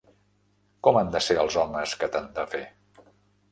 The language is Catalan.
Com han de ser els homes que t'han de fer?